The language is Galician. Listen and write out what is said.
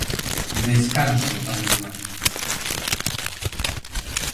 Descanso para ir ao baño.